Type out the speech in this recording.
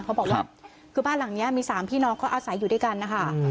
เพราะบอกว่าคือบ้านหลังนี้มี๓พี่น้องเขาอาศัยอยู่ด้วยกันนะคะ